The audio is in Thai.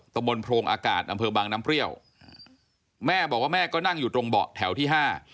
ตะบนโพรงอากาศอำเภอบางน้ำเปรี้ยวแม่บอกว่าแม่ก็นั่งอยู่ตรงเบาะแถวที่ห้า